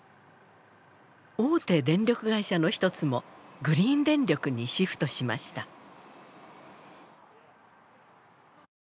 大手電力会社の一つもグリーン電力にシフトしました。